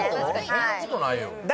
そんなことないよ。